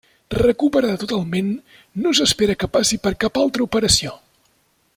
Recuperada totalment, no s'espera que passi per cap altra operació.